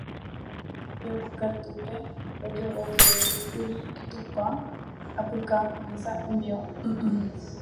Mbeguekatúpe ojoguajeýkuri tupa, apyka, mesa, umíva.